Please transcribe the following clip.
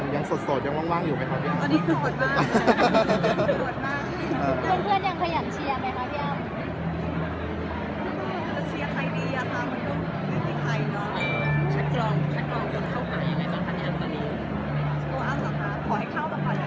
ถ้ายอดคนที่ธูปกรุงเป็นดีแล้วเราเจอกันบ่อยค่ะ